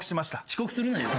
遅刻するなよ。